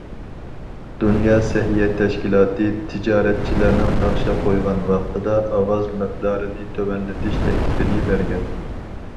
دۇنيا سەھىيە تەشكىلاتى تىجارەتچىلەرنىڭ ناخشا قويغان ۋاقتىدا ئاۋاز مىقدارىنى تۆۋەنلىتىش تەكلىپىنى بەرگەن.